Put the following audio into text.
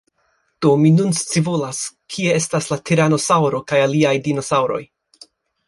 Do, mi nun scivolas, kie estas la tiranosaŭro kaj aliaj dinosaŭroj